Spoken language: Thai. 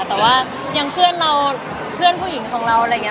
แต่ว่าอย่างเพื่อนเราเพื่อนผู้หญิงของเราอะไรอย่างนี้